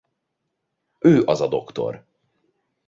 Ő az a dr.